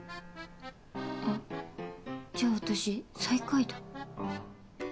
あじゃあ私最下位だ。